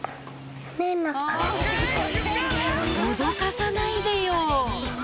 脅かさないでよ